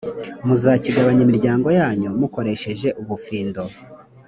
muzakigabanya imiryango yanyu mukoresheje ubufindo.